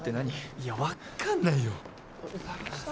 いやわかんないよ。